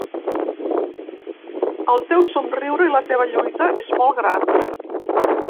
El teu somriure i la teva lluita és molt gran.